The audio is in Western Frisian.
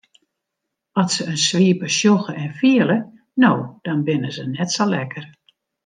At se in swipe sjogge en fiele no dan binne se net sa lekker.